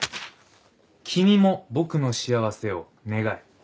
君も僕の幸せを願え。